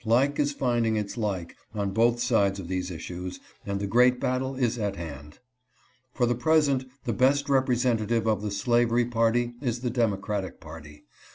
Like is finding its like on both sides of these issues, and the great battle is at hand. For the HEAD OP THE SLAVE POWER. 365 present the best representative of the slavery party is the Democratic party.